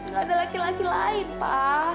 gak ada laki laki lain pak